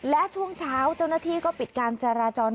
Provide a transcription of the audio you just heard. และช่วงเช้าเจ้าหน้าที่ก็ปิดการจราจร